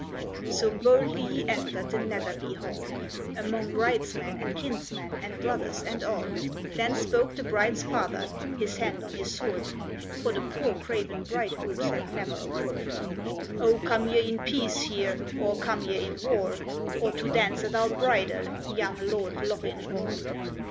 So boldly he entered the Netherby hall, 'Mong bridesmen, and kinsmen, and brothers, and all: Then spoke the bride's father, his hand on his sword (For the poor, craven bridegroom said never a word), "O, come ye in peace here, or come ye in war, Or to dance at our bridal, young Lord Lochinvar?"